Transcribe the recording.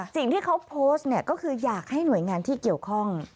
สิ่งที่เขาโพสต์เนี่ยก็คืออยากให้หน่วยงานที่เกี่ยวข้อง